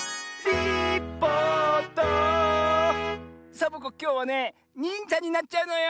サボ子きょうはね「にんじゃ」になっちゃうのよ！